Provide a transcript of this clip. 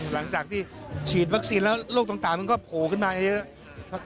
หลังจากที่ฉีดวัคซีนแล้วโรคต่างมันก็โผล่ขึ้นมาเยอะ